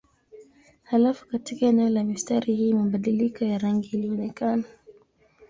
Halafu katika eneo la mistari hii mabadiliko ya rangi ilionekana.